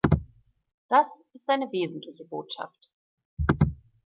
Das ist seine wesentliche Botschaft.